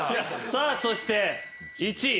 さあそして１位。